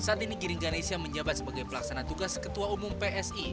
saat ini giring ganesha menjabat sebagai pelaksana tugas ketua umum psi